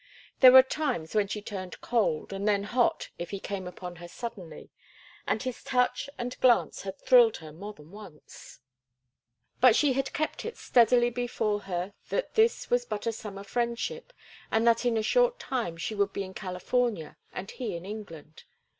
There were times when she turned cold and then hot if he came upon her suddenly, and his touch and glance had thrilled her more than once. But she had kept it steadily before her that this was but a summer friendship and that in a short time she would be in California and he in England.